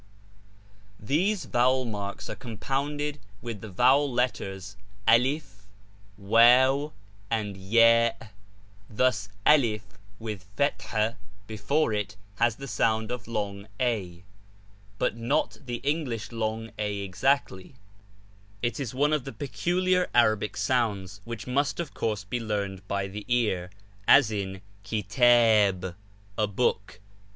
These vowel marks are compounded with the vowel letters 1 alif, j wtzu, and ^ ya ; thus, alif with fathak before it has the sound of long a, but not the English long a exactly; it is one of the peculiar Arabic sounds, which must of course be learned by the ear, as in ^iS'kitab, ' a book.'